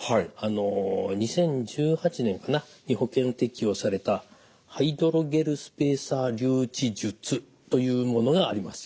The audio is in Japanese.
２０１８年に保険適用されたハイドロゲルスペーサー留置術というものがあります。